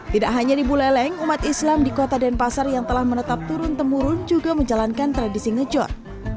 tidak hanya di buleleng umat islam di kota denpasar yang telah menetap turun temurun juga menjalankan tradisi ngejot